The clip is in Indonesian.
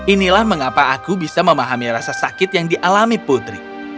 inilah mengapa aku bisa memahami rasa sakit yang dialami putri